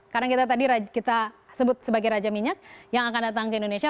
karena kita tadi kita sebut sebagai raja minyak yang akan datang ke indonesia